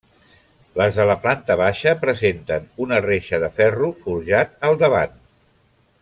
Les de la planta baixa presenten una reixa de ferro forjat al davant.